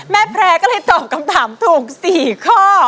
แพร่แพร่ก็เลยตอบคำถามถูก๔ข้อ